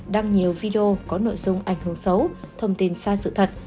đăng nhiều video có nội dung ảnh hưởng xấu thông tin sai sự thật